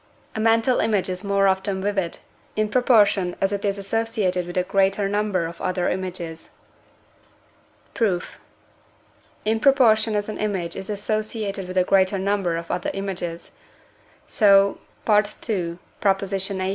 A mental image is more often vivid, in proportion as it is associated with a greater number of other images. Proof. In proportion as an image is associated with a greater number of other images, so (II. xviii.)